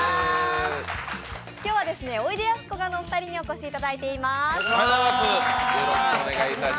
今日は、おいでやすこがのお二人にお越しいただいております。